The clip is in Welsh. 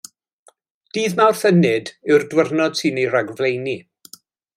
Dydd Mawrth Ynyd yw'r diwrnod sy'n ei ragflaenu.